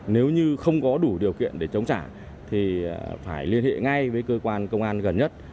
nếu như không có đủ điều kiện để chống trả thì phải liên hệ ngay với cơ quan công an gần nhất